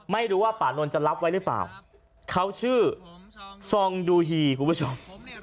ไม่รู้ว่าป่านนท์จะรับไว้หรือเปล่าเขาชื่อซองดูฮีคุณผู้ชม